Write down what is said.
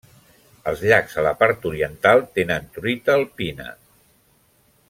Els llacs a la part oriental tenen truita alpina.